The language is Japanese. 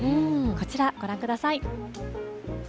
こちらご覧ください。